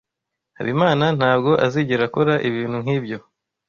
Habimana ntabwo azigera akora ibintu nkibyo.